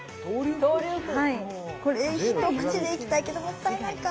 これ一口でいきたいけどもったいないか。